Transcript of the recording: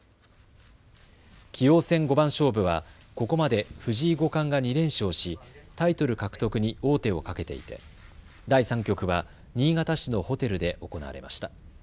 棋王戦五番勝負はここまで藤井五冠が２連勝しタイトル獲得に王手をかけていて第３局は新潟市のホテルで行われました。